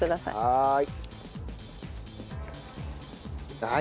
はい。